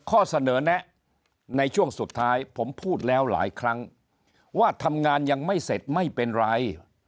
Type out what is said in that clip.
ข้อเสนอแนะในช่วงสุดท้ายผมพูดแล้วหลายครั้งว่าทำงานยังไม่เสร็จไม่เป็นไร